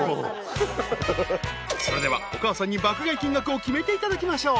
［それではお母さんに爆買い金額を決めていただきましょう］